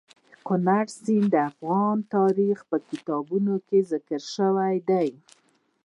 کندز سیند د افغان تاریخ په کتابونو کې ذکر شوی دی.